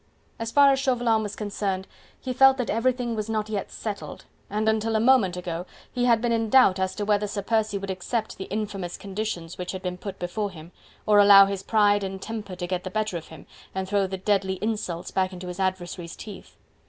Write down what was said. As far as Chauvelin was concerned he felt that everything was not yet settled, and until a moment ago he had been in doubt as to whether Sir Percy would accept the infamous conditions which had been put before him, or allow his pride and temper to get the better of him and throw the deadly insults back into his adversary's teeth.